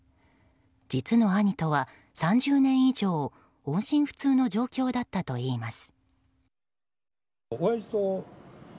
実の兄とは３０年以上音信不通の状況だったといいます。